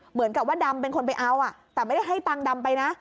เหมือนกับว่าดำเป็นคนไปเอาแต่ไม่ได้ให้ตังค์ดำไปนะ